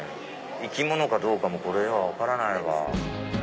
生き物かどうかもこれでは分からないわ。